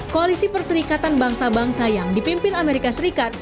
koalisi perserikatan bangsa bangsa yang dipimpin amerika serikat